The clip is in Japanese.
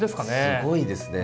すごいですね。